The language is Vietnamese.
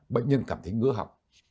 bệnh nhân cảm thấy ngứa học